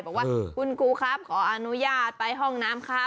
บอกว่าคุณครูครับขออนุญาตไปห้องน้ำครับ